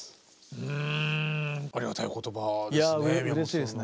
うんありがたいお言葉ですね。